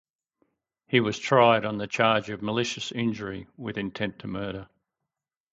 He was tried on the charge of malicious injury with intent to murder.